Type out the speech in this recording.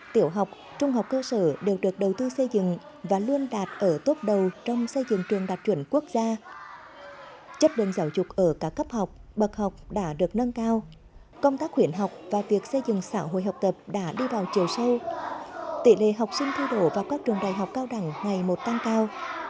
tiểu học trung học cơ sở đều được đầu tư xây dựng và luôn đạt ở tốt đầu trong xây dựng trường đạt chuẩn quốc gia chất lượng giáo dục ở các cấp học bậc học đã được nâng cao công tác quyển học và việc xây dựng xã hội học tập đã đi vào chiều sâu tỷ lệ học sinh thay đổ vào các trường đại học cao đẳng ngày một tăng cao